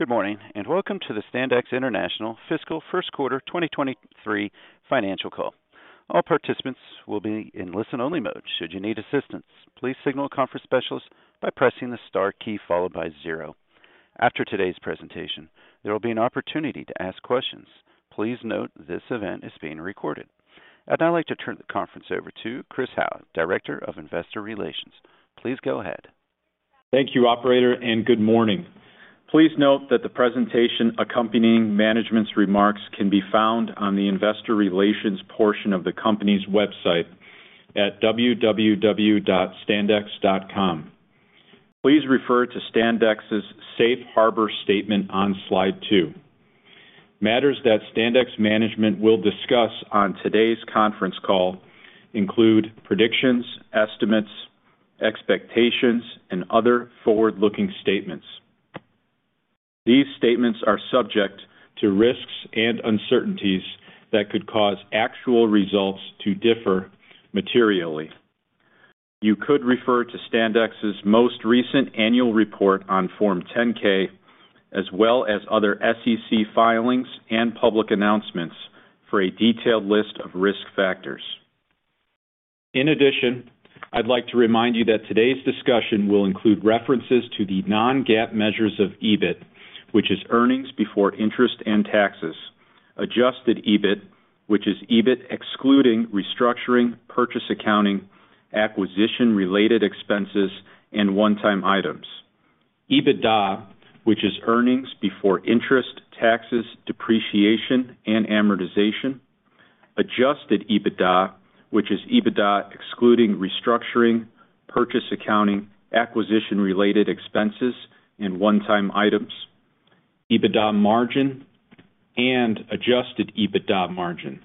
Good morning, and welcome to the Standex International Fiscal First Quarter 2023 financial call. All participants will be in listen-only mode. Should you need assistance, please signal a conference specialist by pressing the star key followed by zero. After today's presentation, there will be an opportunity to ask questions. Please note this event is being recorded. I'd now like to turn the conference over to Christopher Howe, Director of Investor Relations. Please go ahead. Thank you, operator, and good morning. Please note that the presentation accompanying management's remarks can be found on the investor relations portion of the company's website at www.standex.com. Please refer to Standex's Safe Harbor statement on slide two. Matters that Standex management will discuss on today's conference call include predictions, estimates, expectations, and other forward-looking statements. These statements are subject to risks and uncertainties that could cause actual results to differ materially. You could refer to Standex's most recent annual report on Form 10-K, as well as other SEC filings and public announcements for a detailed list of risk factors. In addition, I'd like to remind you that today's discussion will include references to the non-GAAP measures of EBIT, which is earnings before interest and taxes, adjusted EBIT, which is EBIT excluding restructuring, purchase accounting, acquisition-related expenses, and one-time items, EBITDA, which is earnings before interest, taxes, depreciation, and amortization. Adjusted EBITDA, which is EBITDA excluding restructuring, purchase accounting, acquisition related expenses, and one-time items, EBITDA margin, and adjusted EBITDA margin.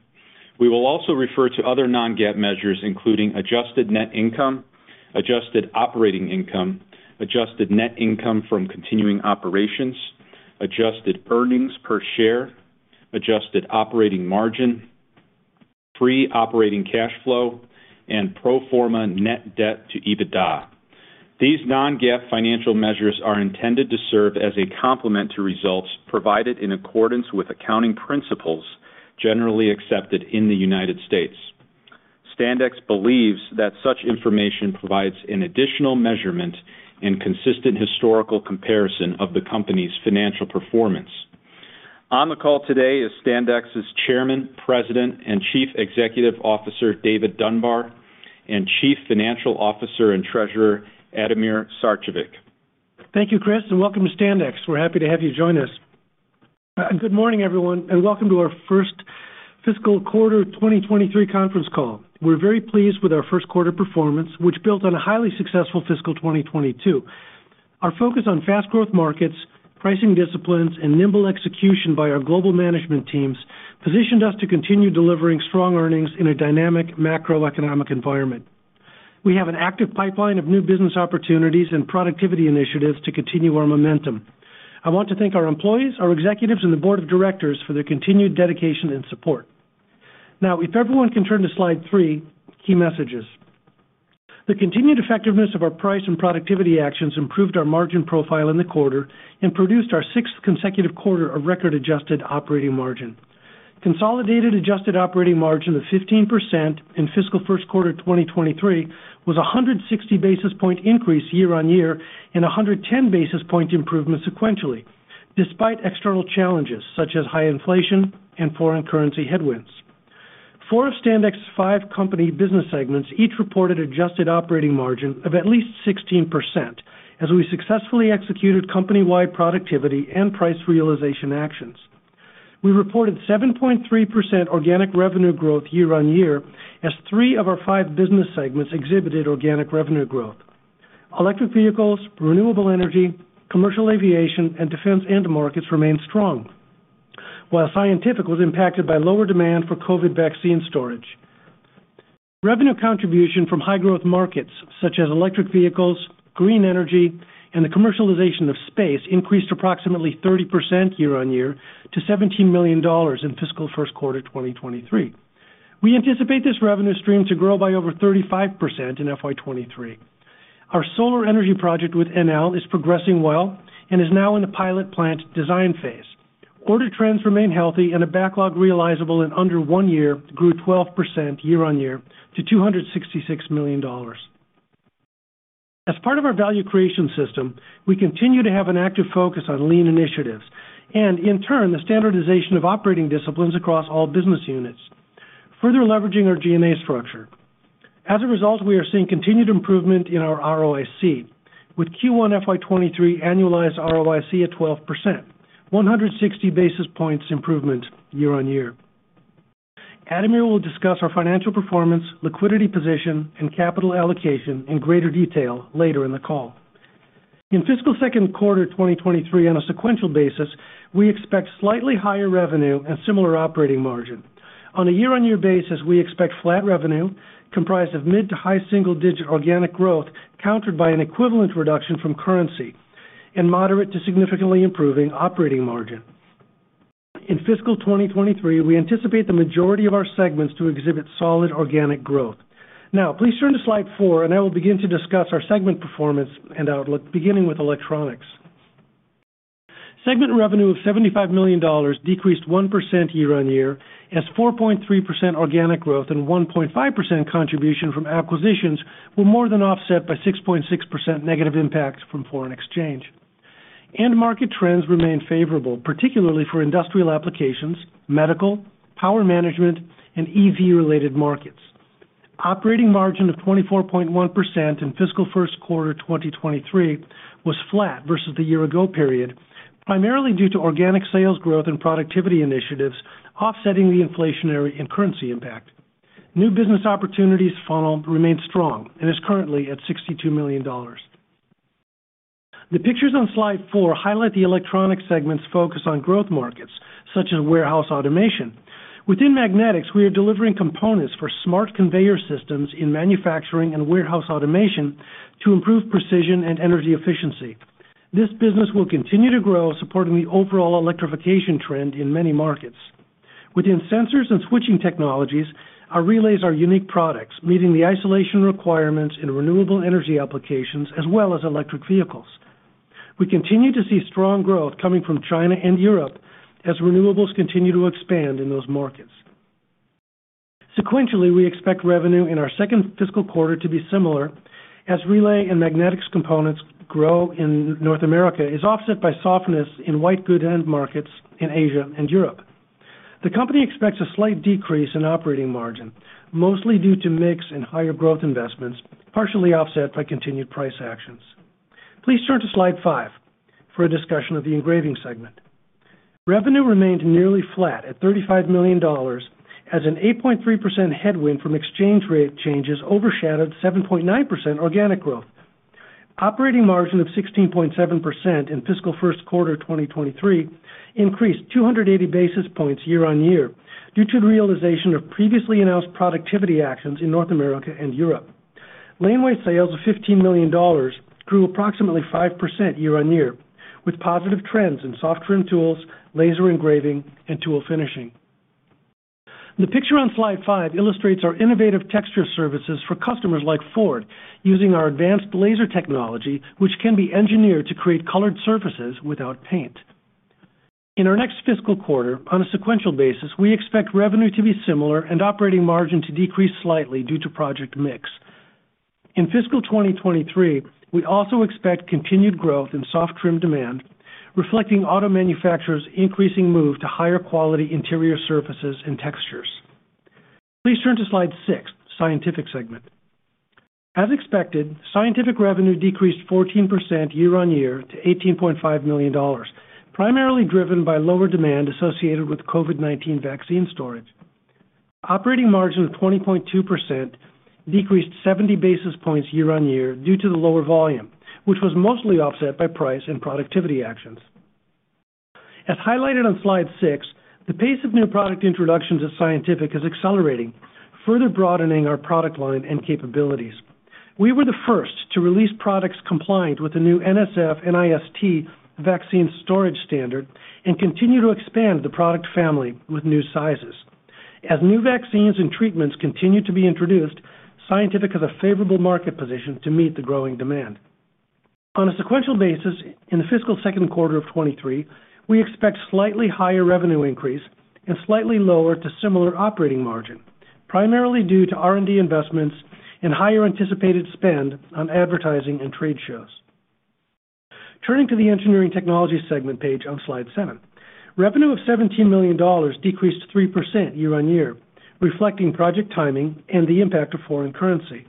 We will also refer to other non-GAAP measures, including adjusted net income, adjusted operating income, adjusted net income from continuing operations, adjusted earnings per share, adjusted operating margin, free operating cash flow, and pro forma net debt to EBITDA. These non-GAAP financial measures are intended to serve as a complement to results provided in accordance with accounting principles generally accepted in the United States. Standex believes that such information provides an additional measurement and consistent historical comparison of the company's financial performance. On the call today is Standex's Chairman, President, and Chief Executive Officer, David Dunbar, and Chief Financial Officer and Treasurer, Ademir Sarcevic. Thank you, Chris, and welcome to Standex. We're happy to have you join us. Good morning, everyone, and welcome to our first fiscal quarter 2023 conference call. We're very pleased with our first quarter performance, which built on a highly successful fiscal 2022. Our focus on fast growth markets, pricing disciplines, and nimble execution by our global management teams positioned us to continue delivering strong earnings in a dynamic macroeconomic environment. We have an active pipeline of new business opportunities and productivity initiatives to continue our momentum. I want to thank our employees, our executives, and the board of directors for their continued dedication and support. Now, if everyone can turn to slide three, key messages. The continued effectiveness of our price and productivity actions improved our margin profile in the quarter and produced our sixth consecutive quarter of record adjusted operating margin. Consolidated adjusted operating margin of 15% in fiscal first quarter 2023 was a 160 basis point increase year-on-year and a 110 basis point improvement sequentially, despite external challenges such as high inflation and foreign currency headwinds. Four of Standex's five company business segments each reported adjusted operating margin of at least 16% as we successfully executed company-wide productivity and price realization actions. We reported 7.3% organic revenue growth year-on-year as three of our five business segments exhibited organic revenue growth. Electric vehicles, renewable energy, commercial aviation, and defense end markets remain strong. While scientific was impacted by lower demand for COVID vaccine storage. Revenue contribution from high growth markets such as electric vehicles, green energy, and the commercialization of space increased approximately 30% year-on-year to $17 million in fiscal first quarter 2023. We anticipate this revenue stream to grow by over 35% in FY 2023. Our solar energy project with Enel is progressing well and is now in the pilot plant design phase. Order trends remain healthy and a backlog realizable in under one year grew 12% year-on-year to $266 million. As part of our value creation system, we continue to have an active focus on lean initiatives and, in turn, the standardization of operating disciplines across all business units, further leveraging our G&A structure. As a result, we are seeing continued improvement in our ROIC with Q1 FY 2023 annualized ROIC at 12%, 160 basis points improvement year-on-year. Ademir will discuss our financial performance, liquidity position, and capital allocation in greater detail later in the call. In fiscal second quarter 2023 on a sequential basis, we expect slightly higher revenue and similar operating margin. On a year-on-year basis, we expect flat revenue comprised of mid- to high-single-digit organic growth, countered by an equivalent reduction from currency and moderate- to significantly-improving operating margin. In fiscal 2023, we anticipate the majority of our segments to exhibit solid organic growth. Now please turn to slide four, and I will begin to discuss our segment performance and outlook, beginning with electronics. Segment revenue of $75 million decreased 1% year-on-year, as 4.3% organic growth and 1.5% contribution from acquisitions were more than offset by 6.6% negative impacts from foreign exchange. End market trends remain favorable, particularly for industrial applications, medical, power management, and EV-related markets. Operating margin of 24.1% in fiscal first quarter 2023 was flat versus the year ago period, primarily due to organic sals growth and productivity initiatives offsetting the inflationary and currency impact. New business opportunities funnel remains strong and is currently at $62 million. The pictures on slide four highlight the Electronics segment's focus on growth markets, such as warehouse automation. Within Magnetics, we are delivering components for smart conveyor systems in manufacturing and warehouse automation to improve precision and energy efficiency. This business will continue to grow, supporting the overall electrification trend in many markets. Within Sensors and Switching Technologies, our relays are unique products, meeting the isolation requirements in renewable energy applications as well as electric vehicles. We continue to see strong growth coming from China and Europe as renewables continue to expand in those markets. Sequentially, we expect revenue in our second fiscal quarter to be similar, as relay and magnetics components growth in North America is offset by softness in white goods end markets in Asia and Europe. The company expects a slight decrease in operating margin, mostly due to mix and higher growth investments, partially offset by continued price actions. Please turn to slide five for a discussion of the engraving segment. Revenue remained nearly flat at $35 million, as an 8.3% headwind from exchange rate changes overshadowed 7.9% organic growth. Operating margin of 16.7% in fiscal first quarter 2023 increased 280 basis points year-on-year due to the realization of previously announced productivity actions in North America and Europe. Engraving sales of $15 million grew approximately 5% year-on-year, with positive trends in soft trim tools, laser engraving, and tool finishing. The picture on slide five illustrates our innovative texture services for customers like Ford using our advanced laser technology, which can be engineered to create colored surfaces without paint. In our next fiscal quarter on a sequential basis, we expect revenue to be similar and operating margin to decrease slightly due to project mix. In fiscal 2023, we also expect continued growth in soft trim demand, reflecting auto manufacturers' increasing move to higher quality interior surfaces and textures. Please turn to slide six, Scientific segment. As expected, Scientific revenue decreased 14% year-on-year to $18.5 million, primarily driven by lower demand associated with COVID-19 vaccine storage. Operating margin of 20.2% decreased 70 basis points year-on-year due to the lower volume, which was mostly offset by price and productivity actions. As highlighted on slide six, the pace of new product introductions at Scientific is accelerating, further broadening our product line and capabilities. We were the first to release products compliant with the new NSF/ANSI vaccine storage standard and continue to expand the product family with new sizes. As new vaccines and treatments continue to be introduced, Scientific has a favorable market position to meet the growing demand. On a sequential basis, in the fiscal second quarter of 2023, we expect slightly higher revenue increase and slightly lower to similar operating margin, primarily due to R&D investments and higher anticipated spend on advertising and trade shows. Turning to the Engineering Technology segment page on slide seven. Revenue of $17 million decreased 3% year-on-year, reflecting project timing and the impact of foreign currency.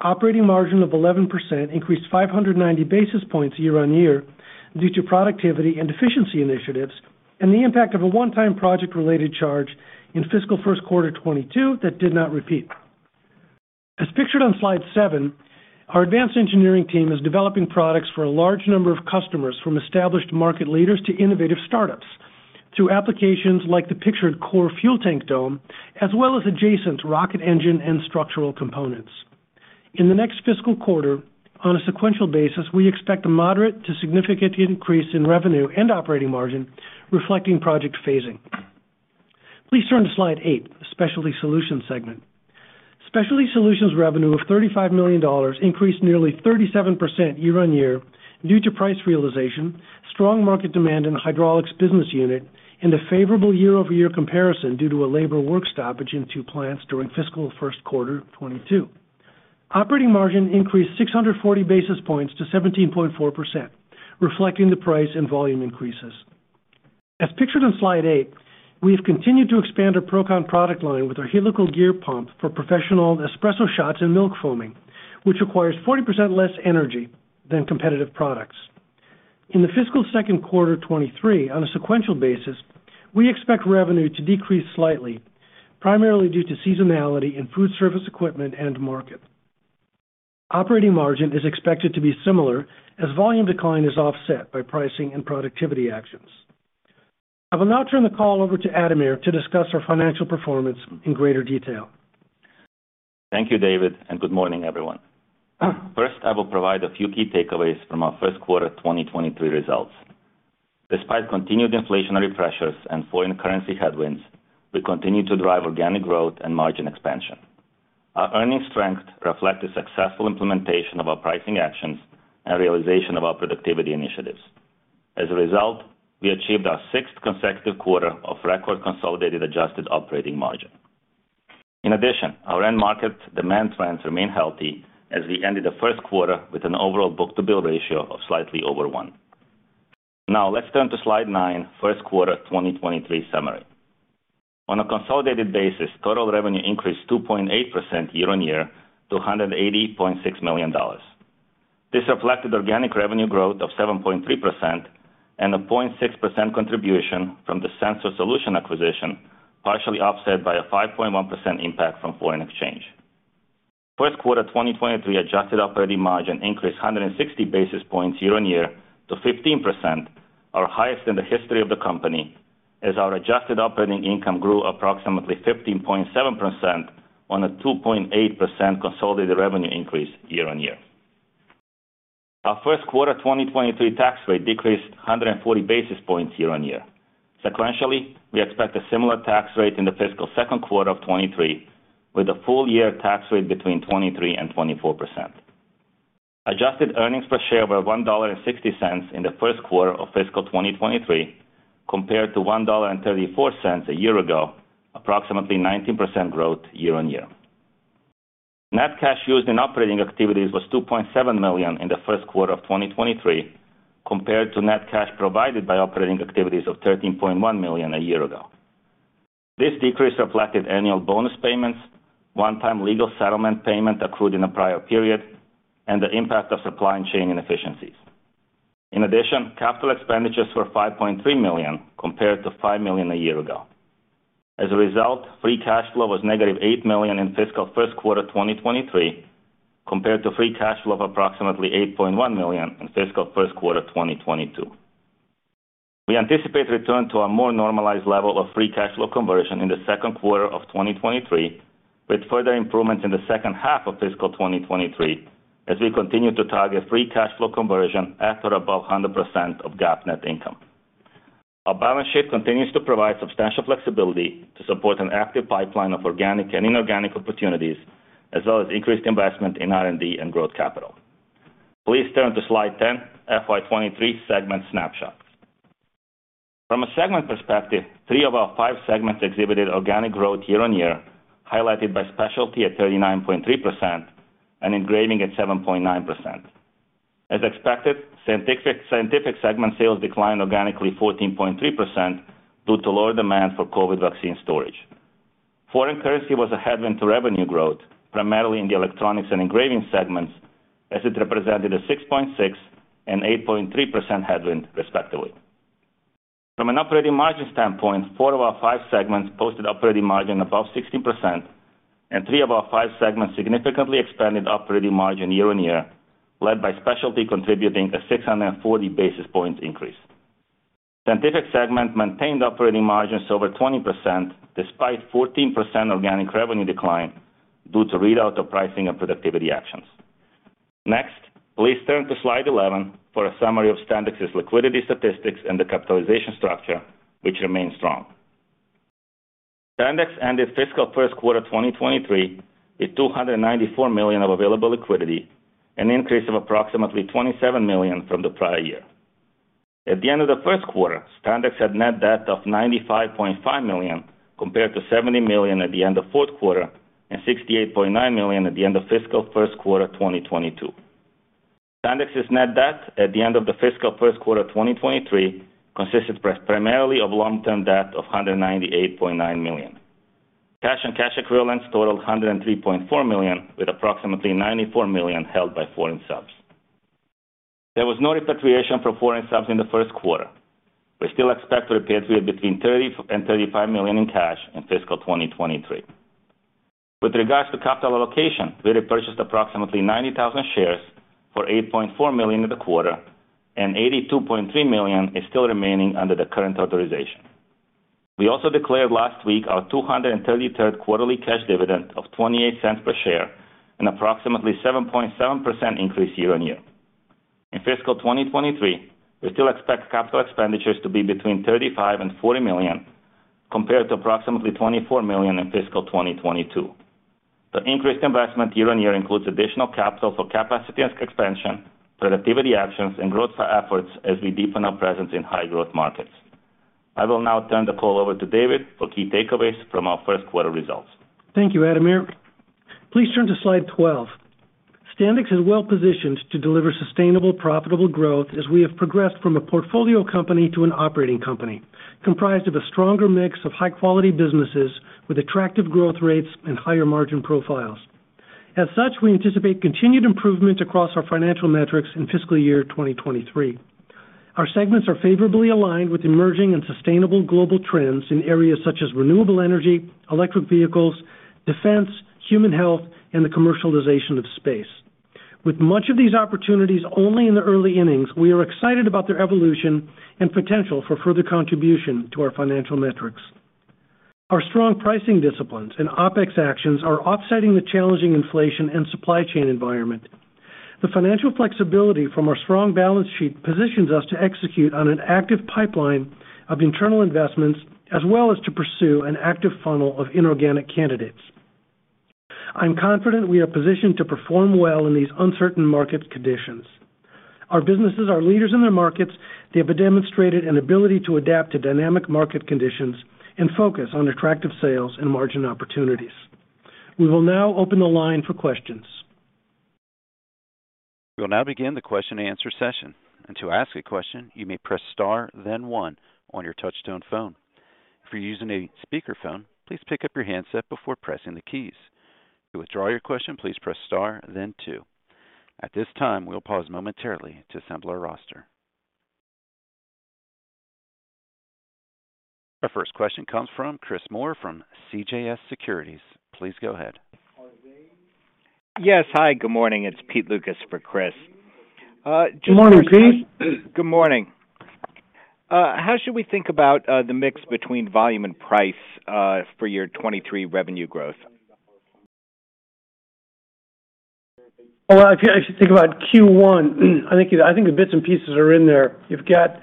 Operating margin of 11% increased 590 basis points year-on-year due to productivity and efficiency initiatives and the impact of a one-time project-related charge in fiscal first quarter 2022 that did not repeat. As pictured on slide seven, our advanced engineering team is developing products for a large number of customers, from established market leaders to innovative startups, through applications like the pictured core fuel tank dome, as well as adjacent rocket engine and structural components. In the next fiscal quarter on a sequential basis, we expect a moderate to significant increase in revenue and operating margin reflecting project phasing. Please turn to slide eight, Specialty Solutions segment. Specialty Solutions revenue of $35 million increased nearly 37% year-over-year due to price realization, strong market demand in the hydraulics business unit, and a favorable year-over-year comparison due to a labor work stoppage in two plants during fiscal first quarter 2022. Operating margin increased 640 basis points to 17.4%, reflecting the price and volume increases. As pictured on slide eight, we have continued to expand our Procon product line with our helical gear pump for professional espresso shots and milk foaming, which requires 40% less energy than competitive products. In the fiscal second quarter 2023 on a sequential basis, we expect revenue to decrease slightly, primarily due to seasonality in food service equipment end market. Operating margin is expected to be similar as volume decline is offset by pricing and productivity actions. I will now turn the call over to Ademir to discuss our financial performance in greater detail. Thank you, David, and good morning, everyone. First, I will provide a few key takeaways from our first quarter 2023 results. Despite continued inflationary pressures and foreign currency headwinds, we continue to drive organic growth and margin expansion. Our earnings strength reflect the successful implementation of our pricing actions and realization of our productivity initiatives. As a result, we achieved our sixth consecutive quarter of record consolidated adjusted operating margin. In addition, our end market demand trends remain healthy as we ended the first quarter with an overall book-to-bill ratio of slightly over one. Now let's turn to slide nine, first quarter 2023 summary. On a consolidated basis, total revenue increased 2.8% year-over-year to $180.6 million. This reflected organic revenue growth of 7.3% and a 0.6% contribution from the Sensor Solution acquisition, partially offset by a 5.1% impact from foreign exchange. First quarter 2023 adjusted operating margin increased 160 basis points year-on-year to 15%, our highest in the history of the company, as our adjusted operating income grew approximately 15.7% on a 2.8% consolidated revenue increase year-on-year. Our first quarter 2023 tax rate decreased 140 basis points year-on-year. Sequentially, we expect a similar tax rate in the fiscal second quarter of 2023, with a full year tax rate between 23% and 24%. Adjusted earnings per share were $1.60 in the first quarter of fiscal 2023 compared to $1.34 a year ago, approximately 19% growth year-on-year. Net cash used in operating activities was $2.7 million in the first quarter of 2023, compared to net cash provided by operating activities of $13.1 million a year ago. This decrease reflected annual bonus payments, one-time legal settlement payment accrued in the prior period, and the impact of supply chain inefficiencies. In addition, capital expenditures were $5.3 million compared to $5 million a year ago. As a result, free cash flow was $8 million- in fiscal first quarter 2023 compared to free cash flow of approximately $8.1 million in fiscal first quarter 2022. We anticipate return to a more normalized level of free cash flow conversion in the second quarter of 2023, with further improvements in the second half of fiscal 2023, as we continue to target free cash flow conversion at or above 100% of GAAP net income. Our balance sheet continues to provide substantial flexibility to support an active pipeline of organic and inorganic opportunities, as well as increased investment in R&D and growth capital. Please turn to slide 10, FY 2023 segment snapshots. From a segment perspective, three of our five segments exhibited organic growth year-on-year, highlighted by Specialty at 39.3% and Engraving at 7.9%. As expected, Scientific segment sales declined organically 14.3% due to lower demand for COVID vaccine storage. Foreign currency was a headwind to revenue growth, primarily in the electronics and engraving segments, as it represented a 6.6% and 8.3% headwind respectively. From an operating margin standpoint, four of our five segments posted operating margin above 16%, and three of our five segments significantly expanded operating margin year-on-year, led by specialty contributing a 640 basis points increase. Scientific segment maintained operating margins over 20% despite 14% organic revenue decline due to readout of pricing and productivity actions. Next, please turn to slide 11 for a summary of Standex's liquidity statistics and the capitalization structure, which remains strong. Standex ended fiscal first quarter 2023 with $294 million of available liquidity, an increase of approximately $27 million from the prior year. At the end of the first quarter, Standex had net debt of $95.5 million, compared to $70 million at the end of fourth quarter and $68.9 million at the end of fiscal first quarter 2022. Standex's net debt at the end of the fiscal first quarter 2023 consisted primarily of long-term debt of $198.9 million. Cash and cash equivalents totaled $103.4 million, with approximately $94 million held by foreign subs. There was no repatriation for foreign subs in the first quarter. We still expect to repatriate between $30 million and $35 million in cash in fiscal 2023. With regards to capital allocation, we repurchased approximately 90,000 shares for $8.4 million in the quarter, and $82.3 million is still remaining under the current authorization. We also declared last week our 233rd quarterly cash dividend of $0.28 per share and approximately 7.7% increase year-on-year. In fiscal 2023, we still expect capital expenditures to be between $35 million and $40 million, compared to approximately $24 million in fiscal 2022. The increased investment year-on-year includes additional capital for capacity expansion, productivity actions, and growth efforts as we deepen our presence in high growth markets. I will now turn the call over to David for key takeaways from our first quarter results. Thank you, Ademir. Please turn to slide 12. Standex is well positioned to deliver sustainable, profitable growth as we have progressed from a portfolio company to an operating company, comprised of a stronger mix of high quality businesses with attractive growth rates and higher margin profiles. As such, we anticipate continued improvement across our financial metrics in fiscal year 2023. Our segments are favorably aligned with emerging and sustainable global trends in areas such as renewable energy, electric vehicles, defense, human health, and the commercialization of space. With much of these opportunities only in the early innings, we are excited about their evolution and potential for further contribution to our financial metrics. Our strong pricing disciplines and OpEx actions are offsetting the challenging inflation and supply chain environment. The financial flexibility from our strong balance sheet positions us to execute on an active pipeline of internal investments, as well as to pursue an active funnel of inorganic candidates. I'm confident we are positioned to perform well in these uncertain market conditions. Our businesses are leaders in their markets. They have demonstrated an ability to adapt to dynamic market conditions and focus on attractive sales and margin opportunities. We will now open the line for questions. We will now begin the question-and-answer session. To ask a question, you may press Star-Then-One on your touchtone phone. If you're using a speaker phone, please pick up your handset before pressing the keys. To withdraw your question, please press Star-Then Two. At this time, we'll pause momentarily to assemble our roster. Our first question comes from Chris Moore from CJS Securities. Please go ahead. Yes. Hi, good morning. It's Pete Lucas for Chris. Good morning, Pete. Good morning. How should we think about the mix between volume and price for your 2023 revenue growth? Well, if you actually think about Q1, I think the bits and pieces are in there. You've got,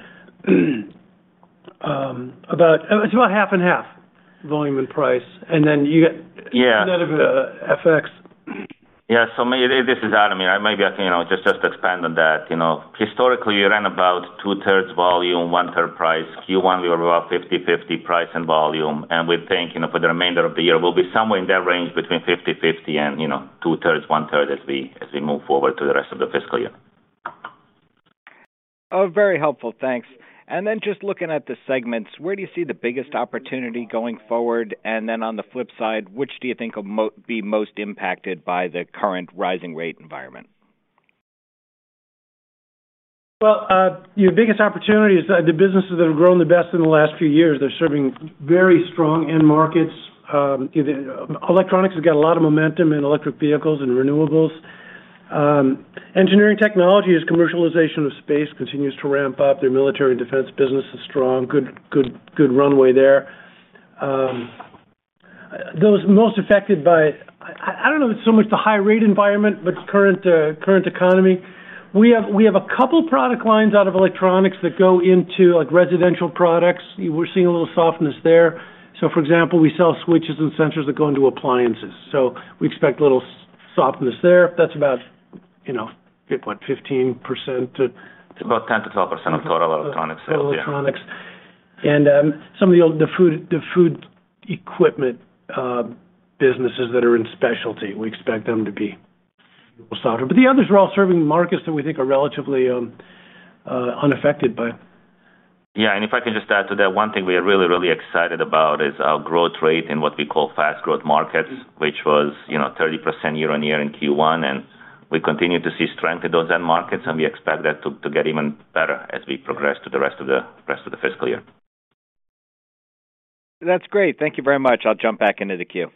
it's about half and half, volume and price. You get. Yeah. A bit of FX. Yeah. This is Adam here. I maybe, you know, just expand on that. You know, historically, you ran about 2/3 volume, 1/3 price. Q1, we were about 50/50 price and volume, and we think, you know, for the remainder of the year, we'll be somewhere in that range between 50/50 and, you know, 2/3/1/3 as we move forward to the rest of the fiscal year. Oh, very helpful. Thanks. Just looking at the segments, where do you see the biggest opportunity going forward? On the flip side, which do you think will be most impacted by the current rising rate environment? Well, your biggest opportunity is the businesses that have grown the best in the last few years. They're serving very strong end markets. Electronics has got a lot of momentum in electric vehicles and renewables. Engineering Technologies' commercialization of space continues to ramp up. Their military and defense business is strong. Good runway there. Those most affected by the high rate environment. I don't know if it's so much the high rate environment, but current economy, we have a couple product lines out of Electronics that go into, like, residential products. We're seeing a little softness there. For example, we sell switches and sensors that go into appliances, so we expect little softness there. That's about, you know, what, 15% to- It's about 10%-12% of total Electronics sales, yeah. Electronics. Some of the food equipment businesses that are in Specialty, we expect them to be a little softer. The others are all serving markets that we think are relatively unaffected by. Yeah, if I can just add to that, one thing we are really, really excited about is our growth rate in what we call fast growth markets, which was, you know, 30% year-on-year in Q1. We continue to see strength in those end markets, and we expect that to get even better as we progress through the rest of the fiscal year. That's great. Thank you very much. I'll jump back into the queue.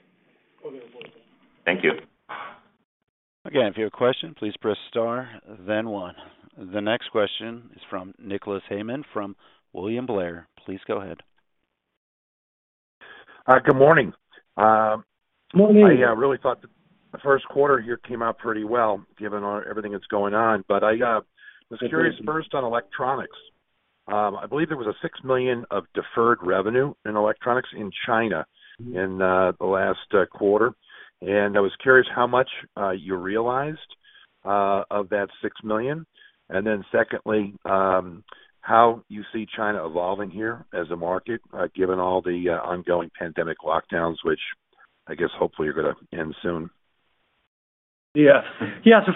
Thank you. Again, if you have a question, please press star, then one. The next question is from Nicholas Heymann from William Blair. Please go ahead. Good morning. Morning. I really thought the first quarter here came out pretty well, given everything that's going on. I was curious first on Electronics. I believe there was $6 million of deferred revenue in Electronics in China in the last quarter. I was curious how much you realized of that $6 million. Secondly, how you see China evolving here as a market, given all the ongoing pandemic lockdowns, which I guess hopefully are gonna end soon.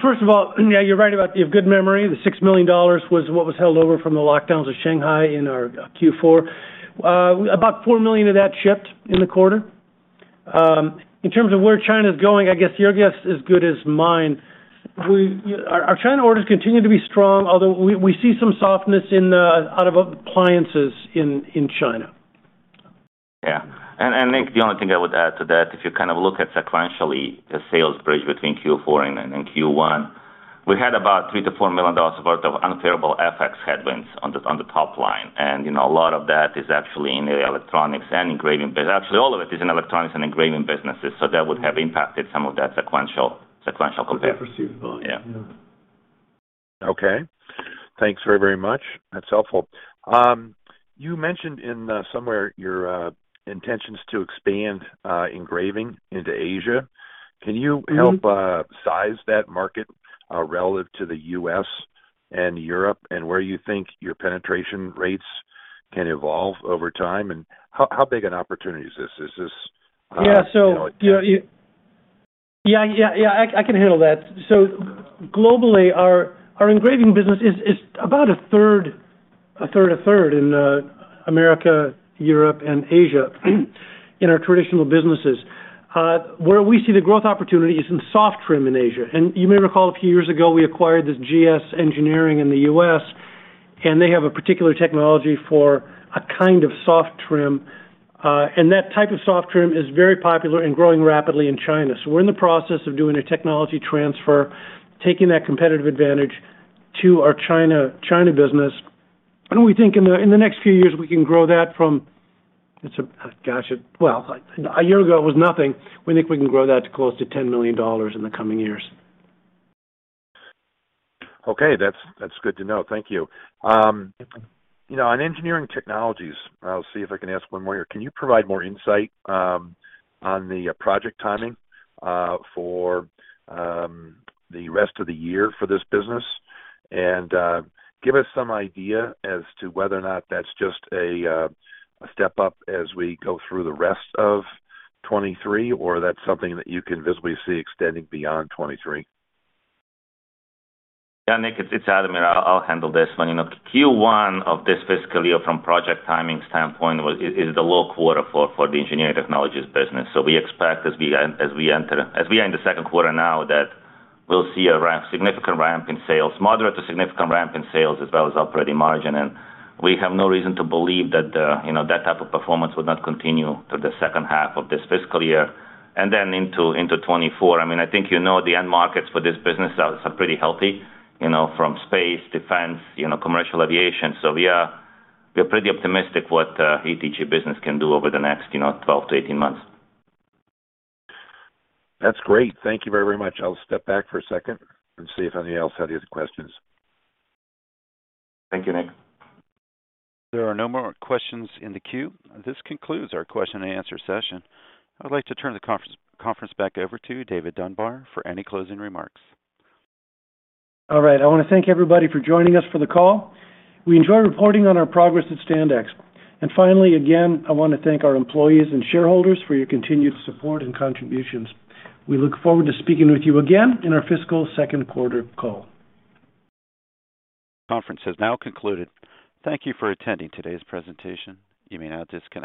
First of all, you're right. You have good memory. The $6 million was what was held over from the lockdowns of Shanghai in our Q4. About $4 million of that shipped in the quarter. In terms of where China's going, I guess your guess is as good as mine. Our China orders continue to be strong, although we see some softness in the area of appliances in China. Yeah. Nick, the only thing I would add to that, if you kind of look at sequentially the sales bridge between Q4 and then in Q1, we had about $3 million-$4 million worth of unfavorable FX headwinds on the top line. You know, a lot of that is actually in the Electronics and Engraving businesses. Actually, all of it is in Electronics and Engraving businesses. That would have impacted some of that sequential comparison. Okay. Yeah. Okay. Thanks very, very much. That's helpful. You mentioned somewhere your intentions to expand Engraving into Asia. Mm-hmm. Can you help size that market relative to the U.S. and Europe and where you think your penetration rates can evolve over time, and how big an opportunity is this? Is this? Yeah. You know. Yeah. I can handle that. Globally, our Engraving business is about a third in America, Europe, and Asia in our traditional businesses. Where we see the growth opportunity is in soft trim in Asia. You may recall a few years ago, we acquired this GS Engineering in the U.S. They have a particular technology for a kind of soft trim. That type of soft trim is very popular and growing rapidly in China. We're in the process of doing a technology transfer, taking that competitive advantage to our China business. We think in the next few years, we can grow that. Gosh, well, a year ago it was nothing. We think we can grow that to close to $10 million in the coming years. Okay, that's good to know. Thank you. You know, on engineering technologies, I'll see if I can ask one more here. Can you provide more insight on the project timing for the rest of the year for this business? Give us some idea as to whether or not that's just a step up as we go through the rest of 2023 or that's something that you can visibly see extending beyond 2023. Yeah. Nick, it's Ademir. I'll handle this one. You know, Q1 of this fiscal year from project timing standpoint is a low quarter for the engineering technologies business. So we expect as we enter, as we are in the second quarter now, that we'll see a ramp, significant ramp in sales, moderate to significant ramp in sales as well as operating margin. We have no reason to believe that, you know, that type of performance would not continue through the second half of this fiscal year and then into 2024. I mean, I think you know the end markets for this business are pretty healthy, you know, from space, defense, you know, commercial aviation. So we are pretty optimistic what ETG business can do over the next 12 to 18 months. That's great. Thank you very, very much. I'll step back for a second and see if anybody else had any other questions. Thank you, Nick. There are no more questions in the queue. This concludes our question and answer session. I'd like to turn the conference back over to David Dunbar for any closing remarks. All right. I wanna thank everybody for joining us for the call. We enjoy reporting on our progress at Standex. Finally, again, I wanna thank our employees and shareholders for your continued support and contributions. We look forward to speaking with you again in our fiscal second quarter call. Conference has now concluded. Thank you for attending today's presentation. You may now disconnect.